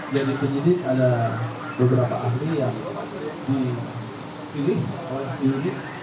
jadi penyidik ada beberapa ahli yang dipilih